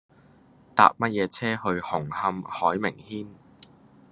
搭乜嘢車去紅磡海名軒